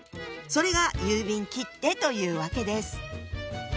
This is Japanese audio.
それが郵便切手というわけです。